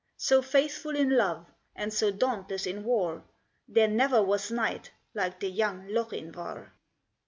So faithful in love, and so dauntless in war, There never was knight like the young Lochinvar.